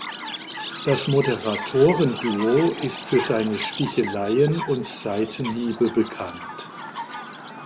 Das Moderatoren-Duo ist für seine Sticheleien und Seitenhiebe bekannt.